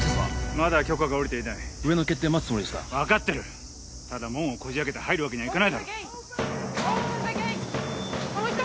まだ許可が下りていない上の決定待つつもりですか分かってるただ門をこじ開けて入るわけにはいかないだろＯｐｅｎｔｈｅｇａｔｅ